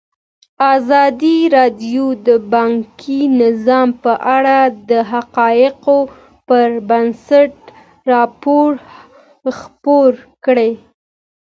ازادي راډیو د بانکي نظام په اړه د حقایقو پر بنسټ راپور خپور کړی.